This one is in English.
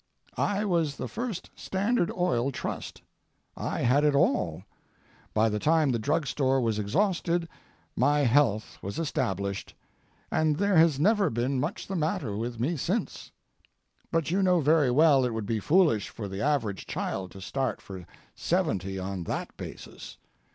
I was the first Standard Oil Trust. I had it all. By the time the drugstore was exhausted my health was established, and there has never been much the matter with me since. But you know very well it would be foolish for the average child to start for seventy on that basis.